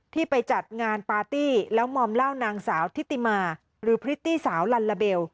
ไปจัดงานปาร์ตี้แล้วมอมเหล้านางสาวทิติมาหรือพริตตี้สาวลัลลาเบล